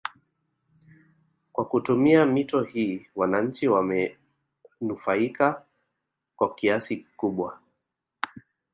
Kwa kutumia mito hii wananchi wamenufaika kwa kiasi kikubwa